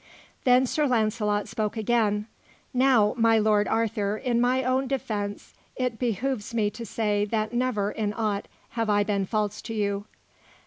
Then Sir Launcelot spoke again; "Now, my Lord Arthur, in my own defence it behooves me to say that never in aught have I been false to you."